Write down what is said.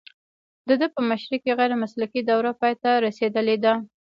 د ده په مشرۍ کې غیر مسلکي دوره پای ته رسیدلې ده